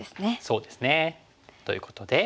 そうですね。ということで。